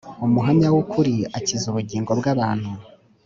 umuhamya w’ukuri akiza ubugingo bw’abantu